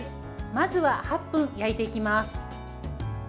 まずは８分、焼いていきます。